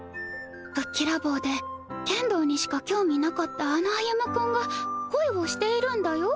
ぶっきらぼうで剣道にしか興味なかったあの歩君が恋をしているんだよ